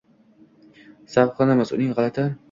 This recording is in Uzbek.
zavqlanamiz uning gʼalati